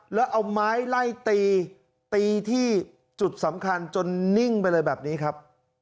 แล้วเอาไม้ไล่ตีตีที่จุดสำคัญจนนิ่งไปเลยแบบนี้ครับ